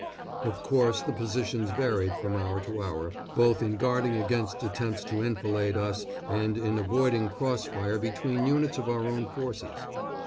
Of course the positions varied from hour to hour, both in guarding against attempts to enfilade us and in avoiding cross fire between units of our own forces.